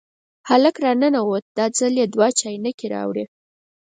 هلک را ننوت، دا ځل یې دوه چاینکې راوړې.